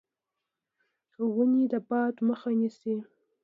ونې د باد مخه نیسي.